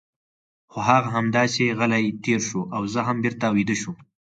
خو هغه همداسې غلی تېر شو او زه هم بېرته ویده شوم.